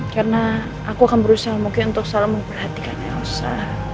karena aku akan berusaha mungkin untuk selalu memperhatikan elsa